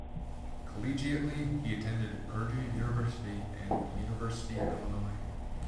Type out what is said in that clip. Collegiately, he attended Purdue University and the University of Illinois.